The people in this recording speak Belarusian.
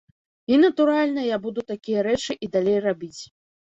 І, натуральна, я буду такія рэчы і далей рабіць.